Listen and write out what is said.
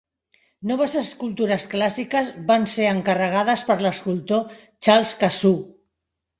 Noves escultures clàssiques van ser encarregades per l'escultor Charles Cassou.